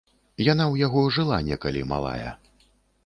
Яна ў яго жыла некалі малая.